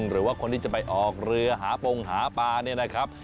หรือว่าคนที่จะไปออกเรือหาปงหาปลาเนี่ยนะครับ